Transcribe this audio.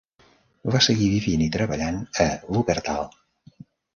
Va seguir vivint i treballant a Wuppertal.